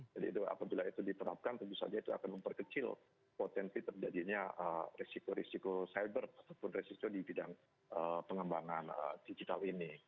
jadi itu apabila itu diterapkan tentu saja itu akan memperkecil potensi terjadinya risiko risiko cyber ataupun risiko di bidang pengembangan digital ini